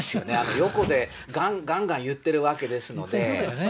横でがんがん言ってるわけですので。